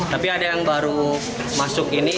tapi ada yang baru masuk ini